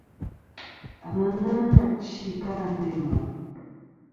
Àŋena nà chi kɨ a ndo i mòʼ.